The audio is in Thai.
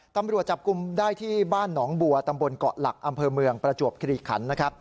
ตำรวจจับกลุ่มได้ที่บ้านหนองบัวตำบลเกาะหลักอำเภอเมืองประจวบคิริขันนะครับ